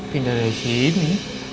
pindah dari sini